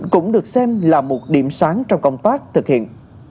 cũng được xem là một điểm sáng trong công tác thực hiện